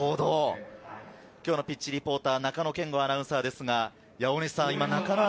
ピッチリポーターは中野謙吾アナウンサーです。